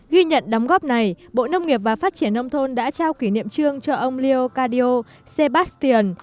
ghi nhận đóng góp này bộ nông nghiệp và phát triển nông thôn đã trao kỷ niệm trương cho ông leo cardio sebastian